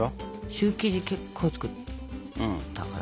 シュー生地結構作ったから。